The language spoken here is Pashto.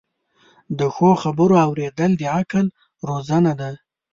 د ښو خبرو اوریدل د عقل روزنه ده.